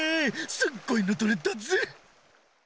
すっごいの撮れたぜ！